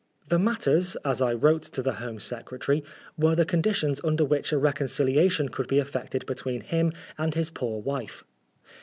The matters, as I wrote to the Home Secretary, were the conditions under which a reconciliation could be effected between him and his poor wife.